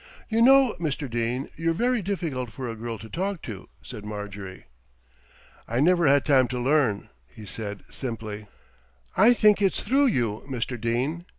"You know, Mr. Dene, you're very difficult for a girl to talk to," said Marjorie. "I never had time to learn," he said simply. "I think it's through you, Mr. Dene."